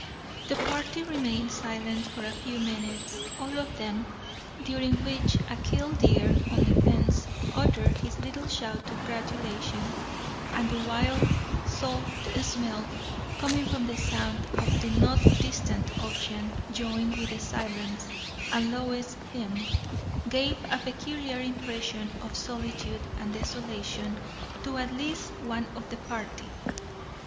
The party remained silent for a few minutes, all of them; during which a killdeer on the fence uttered his little shout of gratulation; and the wild, salt smell coming from the Sound and the not distant ocean, joined with the silence and Lois's hymn, gave a peculiar impression of solitude and desolation to at least one of the party.